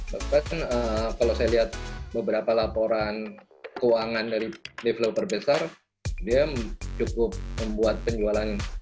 bahkan kalau saya lihat beberapa laporan keuangan dari developer besar dia cukup membuat penjualan